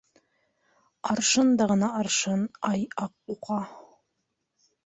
Аршын да г;ына аршын, ай, ак ука